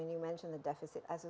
dan anda menyebutkan kekurangan